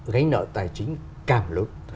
gánh nợ tài chính càng lớn